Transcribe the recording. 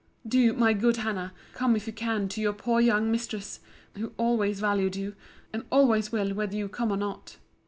Do, my good Hannah, come if you can to your poor young mistress, who always valued you, and always will whether you come or not.